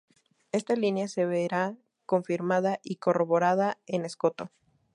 Esta línea se verá confirmada y corroborada en Escoto.